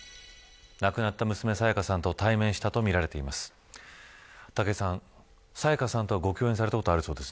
亡くなった娘、沙也加さんと対面したとみられています。